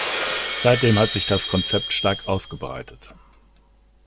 Seitdem hat sich das Konzept stark ausgebreitet.